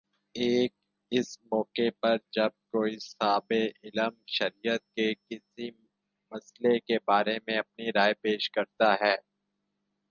ایک اس موقع پر جب کوئی صاحبِ علم شریعت کے کسی مئلے کے بارے میں اپنی رائے پیش کرتا ہے